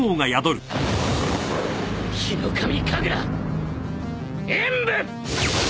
ヒノカミ神楽炎舞！